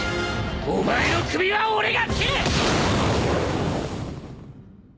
「お前の首は俺が斬る！」